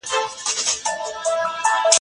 دځان په تماشه وم تماشه به مي کوله